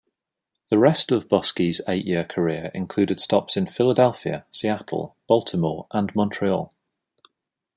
The rest of Boskie's eight-year career included stops in Philadelphia, Seattle, Baltimore, and Montreal.